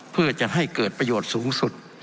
เพื่อจะให้เกิดประโยชน์สูงสุด